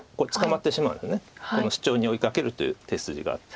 このシチョウに追いかけるという手筋があって。